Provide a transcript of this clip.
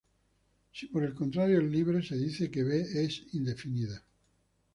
Si por el contrario es libre, se dice que "B" es indefinida.